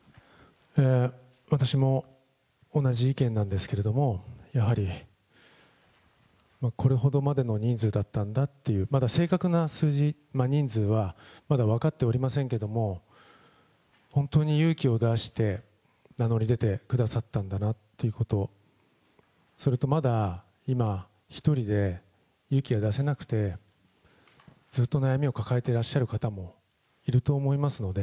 私も同じ意見なんですけれども、やはりこれほどまでの人数だったんだっていう、まだ正確な数字、人数はまだ分かっておりませんけれども、本当に勇気を出して、名乗り出てくださったんだなっていうこと、それとまだ今、一人で、勇気が出せなくて、ずっと悩みを抱えてらっしゃる方もいると思いますので、